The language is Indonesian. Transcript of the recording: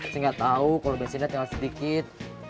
saya gak tau kalo besinya tinggal sedikit